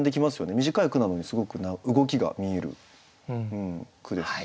短い句なのにすごく動きが見える句です。